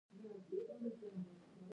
د بېړۍ جوړونې دوه موډرنې کارخانې جوړې کړې.